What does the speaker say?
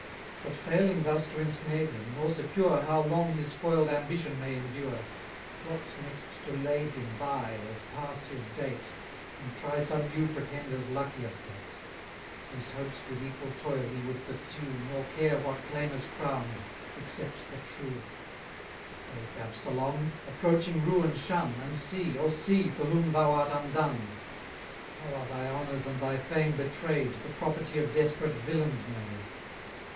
But failing thus to ensnare him, nor secure How long his foil'd ambition may endure, Plots next to lay him by as past his date, And try some new pretender's luckier fate; Whose hopes with equal toil he would pursue, Nor care what claimer's crown'd, except the true. 870 Wake, Absalom! approaching ruin shun, And see, O see, for whom thou art undone! How are thy honours and thy fame betray'd, The property of desperate villains made!